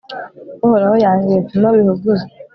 uhoraho yanga ibipimo bihuguza